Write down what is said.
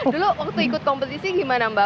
dulu waktu ikut kompetisi gimana mbak